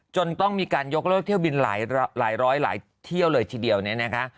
จนต้องมีการยกเลิกเที่ยวบินหลายร้อยหลายเที่ยวเลยทีเดียวเนี่ยนะคะ